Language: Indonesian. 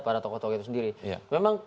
para tokoh tokoh itu sendiri memang